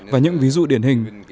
và những ví dụ điển hình